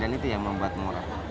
dan itu yang membuat murah